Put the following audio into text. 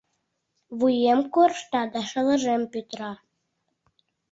Вуем коршта, да шылыжем пӱтыра...